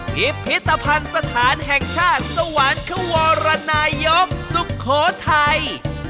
พิพิธภัณฑ์สถานแห่งชาติสวรรควรนายกสุโขทัย